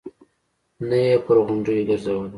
نه يې پر غونډيو ګرځولم.